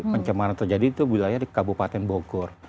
pencemaran terjadi itu wilayah di kabupaten bogor